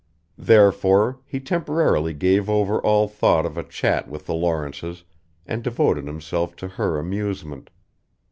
Therefore, he temporarily gave over all thought of a chat with the Lawrences and devoted himself to her amusement.